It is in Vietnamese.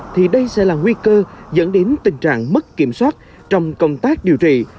thì đây sẽ là nguy cơ dẫn đến tình trạng mất kiểm soát trong công tác điều trị